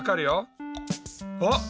あっ！